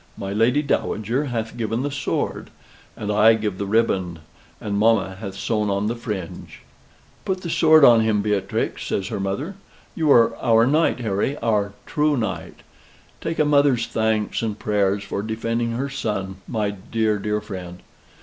"My Lady Dowager hath given the sword; and I give the ribbon, and mamma hath sewn on the fringe." "Put the sword on him, Beatrix," says her mother. "You are our knight, Harry our true knight. Take a mother's thanks and prayers for defending her son, my dear, dear friend."